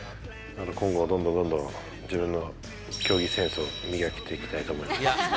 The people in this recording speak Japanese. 今後はどんどんどんどん自分の競技センスを磨いていきたいと思い